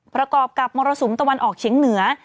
ประกอบกับมรสุมตะวันออกเฉียงเหนือ